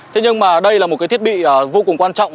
thế nhưng mà đây là một cái thiết bị vô cùng quan trọng